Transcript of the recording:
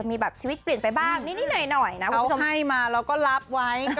นี่เปลี่ยนไปบ้างนี่หน่อยนะเขาให้มาเราก็รับไว้